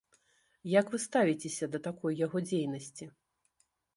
Як вы ставіцеся да такой яго дзейнасці?